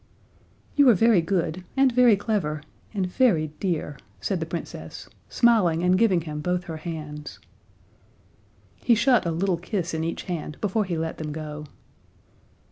"You are very good, and very clever, and very dear," said the Princess, smiling and giving him both her hands. He shut a little kiss in each hand before he let them go.